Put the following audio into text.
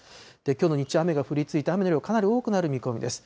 きょうの日中雨が降り続いて、雨がかなり多くなる見込みです。